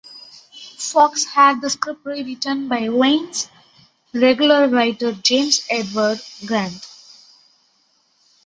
Fox had the script rewritten by Wayne's regular writer James Edward Grant.